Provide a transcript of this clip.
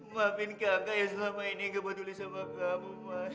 maafin kakak yang selama ini gak peduli sama kamu mas